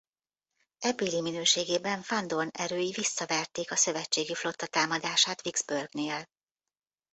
Ebbéli minőségében Van Dorn erői visszavertek a szövetségi flotta támadását Vicksburgnél.